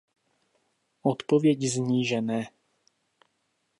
Odpověď zní, že ne.